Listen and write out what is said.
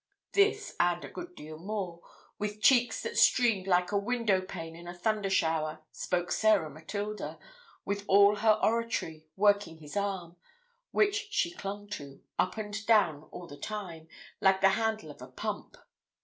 This and a good deal more, with cheeks that streamed like a window pane in a thunder shower, spoke Sarah Matilda with all her oratory, working his arm, which she clung to, up and down all the time, like the handle of a pump.